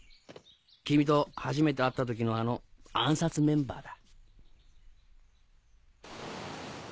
君と初めて会った時のあの暗殺メンバーだ。